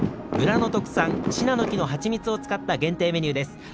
村の特産・シナノキの蜂蜜を使った限定メニューです。